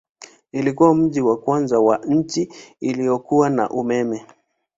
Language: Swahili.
Ilikuwa mji wa kwanza wa nchi uliokuwa na umeme.